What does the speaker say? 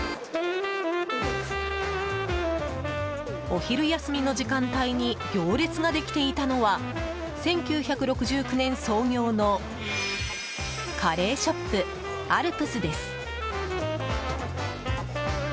お昼休みの時間帯に行列ができていたのは１９６９年創業のカレーショップアルプスです。